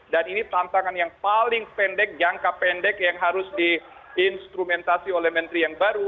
dan ini tantangan yang paling pendek jangka pendek yang harus di instrumentasi oleh menteri yang baru